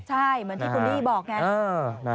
ใช่เหมือนที่คุณดี้บอกไง